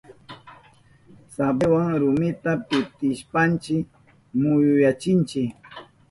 Sabliwa rumita pitishpanchi mutyuyachinchi.